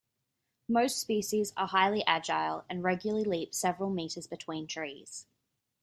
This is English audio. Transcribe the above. Most species are highly agile, and regularly leap several metres between trees.